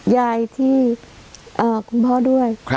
ยายที่คุณพ่อด้วย